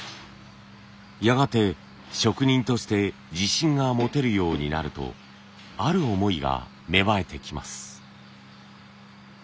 やがて職人として自信が持てるようになるとある思いが芽生えてきます。